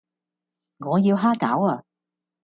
我要蝦餃呀